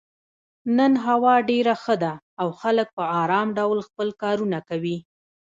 نن هوا ډېره ښه ده او خلک په ارام ډول خپل کارونه کوي.